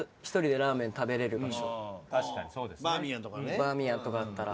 バーミヤンとかだったら。